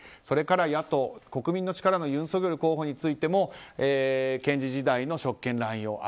それから野党・国民の力のユン・ソギョル候補についても検事時代の職権乱用。